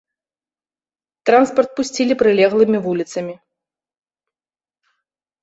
Транспарт пусцілі прылеглымі вуліцамі.